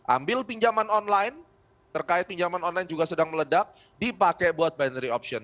ambil pinjaman online terkait pinjaman online juga sedang meledak dipakai buat binary option